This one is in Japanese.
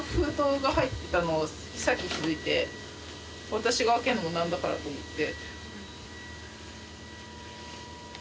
私が開けるのも何だからと思って。